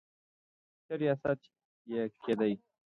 ښه ریاست یې کېدی.